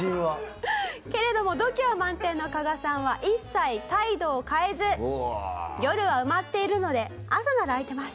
けれども度胸満点の加賀さんは一切態度を変えず「夜は埋まっているので朝なら空いてます」。